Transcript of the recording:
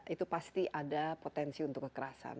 itu pasti ada potensi untuk kekerasan